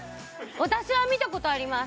私は見たことあります